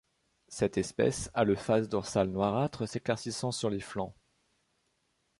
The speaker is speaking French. Cette espèce a le face dorsale noirâtre s’éclaircissant sur les flancs.